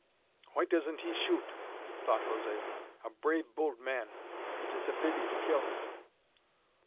"Why doesn't he shoot?" thought José. "A brave, bold man! It is a pity to kill him."